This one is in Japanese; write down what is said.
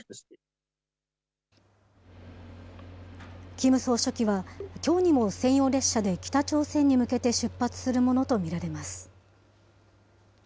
キム総書記は、きょうにも専用列車で北朝鮮に向けて出発するものと見られます。